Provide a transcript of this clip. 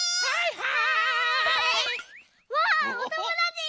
はい！